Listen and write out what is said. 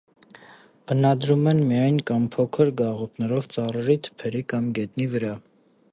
Բնադրում են միայնակ կամ փոքր գաղութներով՝ ծառերի, թփերի կամ գետնի վրա։